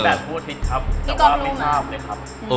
ตีแบตพูดผิดครับแต่ว่าไม่ทราบเลยครับ